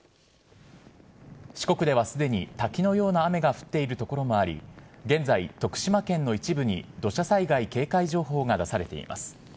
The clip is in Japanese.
四国ではすでに滝のような雨が降っている所もあり、現在、徳島県の一部に土砂災害警戒情報が出されています。